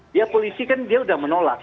dia polisi kan dia udah menolak